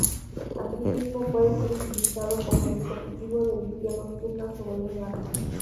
Asimismo puede ser utilizado como dispositivo de visión nocturna sobre un arma.